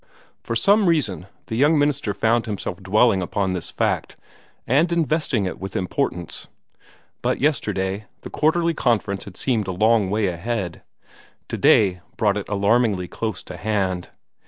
For some reason, the young minister found himself dwelling upon this fact, and investing it with importance. But yesterday the Quarterly Conference had seemed a long way ahead. Today brought it alarmingly close to hand.